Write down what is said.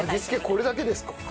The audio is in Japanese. これだけです。